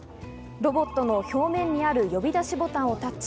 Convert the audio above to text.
ロボットの表面にある呼び出しボタンをタッチ。